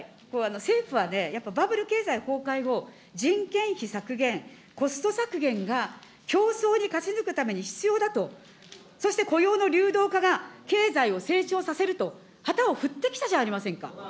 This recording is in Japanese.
政府はね、やっぱりバブル経済崩壊後、人件費削減、コスト削減が、競争に勝ち抜くために必要だと、そして雇用の流動化が経済を成長させると、旗を振ってきたじゃありませんか。